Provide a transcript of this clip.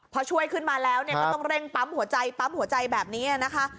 พอช่วยขึ้นมาแล้วก็ต้องเร่งปั๊มหัวใจปั๊มหัวใจแบบนี้นะคะ